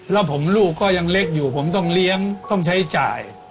แล้วผมลูกก็ยังเล็กอยู่ผมต้องเลี้ยงต้องใช้จ่าย